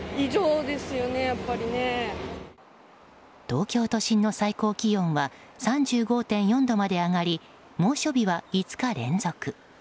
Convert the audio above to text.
東京都心の最高気温は３５．４度まで上がり猛暑日は５日連続。